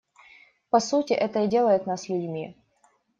По сути, это и делает нас людьми.